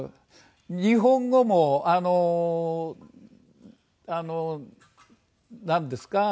日本語もあのなんですか？